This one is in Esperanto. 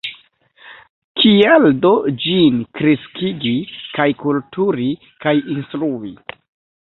Kial do ĝin kreskigi kaj kulturi kaj instrui?